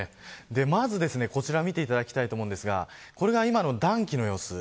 まず、こちらを見ていただきたいんですがこれが今の暖気の様子。